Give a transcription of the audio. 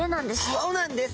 そうなんです。